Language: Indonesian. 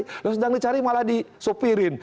kalau sedang dicari malah disopirin